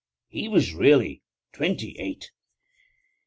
He was really twenty eight.